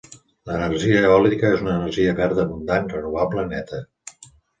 L'energia eòlica és una energia verda abundant, renovable, neta.